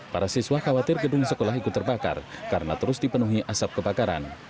para siswa khawatir gedung sekolah ikut terbakar karena terus dipenuhi asap kebakaran